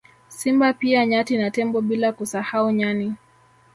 Simba pia nyati na tembo bila kusahau nyani